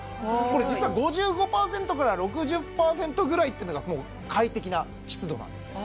実は５５％から６０％ぐらいっていうのが快適な湿度なんですね